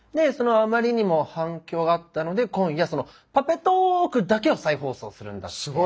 そのあまりにも反響があったので今夜「パペトーーク！」だけを再放送するんだって。